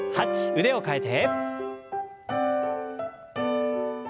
腕を替えて。